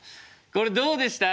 これどうでした？